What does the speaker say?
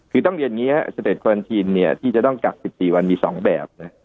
คือต้องเรียนอย่างนี้สเตรดคอรันทีนที่จะต้องกัก๑๔วันมี๒แบบ